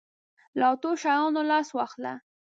له اتو شیانو لاس واخله.